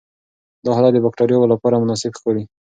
دا حالت د باکټریاوو لپاره مناسب ښکاري.